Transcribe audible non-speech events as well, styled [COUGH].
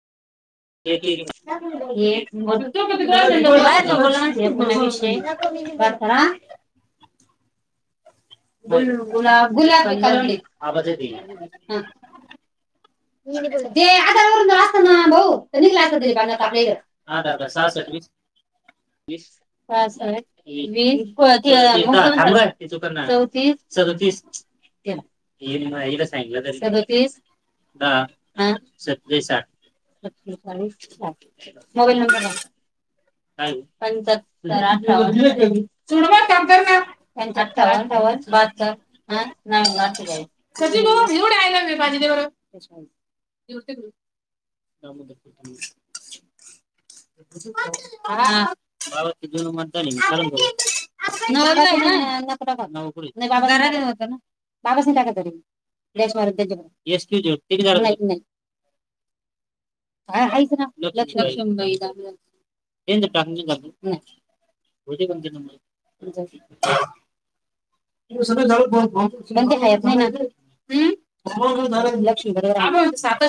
षय [UNINTELLIGIBLE] ह [UNINTELLIGIBLE] गुलाब तला [UNINTELLIGIBLE] आधार वून असत ना भाऊ तर निघ असत दिलीपल्या इ ी पाच साठ वीस च चौतीस [UNINTELLIGIBLE] सदतीसला सांगलं तरी सदतीस बा सतसठ [UNINTELLIGIBLE] अ नवीन मोबाईल नंबर सांग पंचाहत्तरात दे चुर त्यांकर ना वन [UNINTELLIGIBLE] ह नाही ना तू जाई [UNINTELLIGIBLE] सच ग घऊन आयला मी बाजी ब [UNINTELLIGIBLE] द म दखत [UNINTELLIGIBLE] बाबा जुन मतदानी ब [UNINTELLIGIBLE] न नक बा बाबा सटा का तरी [UNINTELLIGIBLE] मस क नाही [UNINTELLIGIBLE] का आहेच ना लक्ष लक्ष मई [UNINTELLIGIBLE] यं ट हम [UNINTELLIGIBLE] होज बणते [UNINTELLIGIBLE] काेत नाही [UNINTELLIGIBLE] सात [UNINTELLIGIBLE]